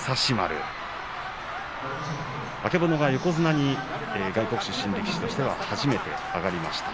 曙は横綱に外国人出身力士として初めて上がりました。